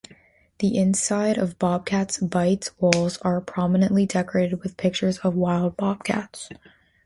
The inside of Bobcat Bite's walls are prominently decorated with pictures of wild bobcats.